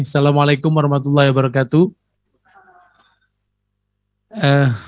assalamu alaikum warahmatullahi wabarakatuh